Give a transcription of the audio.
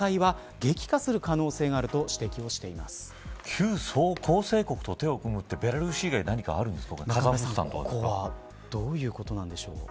旧構成国と手を組むってベラルーシ以外にどういうことなんでしょう。